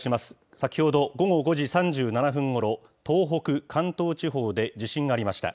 先ほど午後５時３７分ごろ、東北、関東地方で地震がありました。